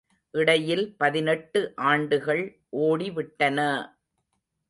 இடையில் பதினெட்டு ஆண்டுகள் ஓடிவிட்டன!